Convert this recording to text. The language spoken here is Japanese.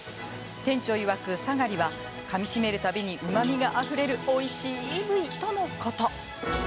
店長いわく、サガリはかみしめる度にうまみがあふれるおいしい部位とのこと。